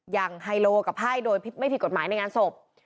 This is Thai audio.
ไฮโลกับไพ่โดยไม่ผิดกฎหมายในงานศพ